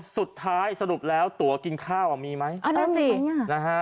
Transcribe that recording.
สุดท้ายสรุปแล้วตัวกินข้าวอ่ะมีไหมอ๋อนั่นสินะฮะ